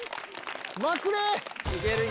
まくれー！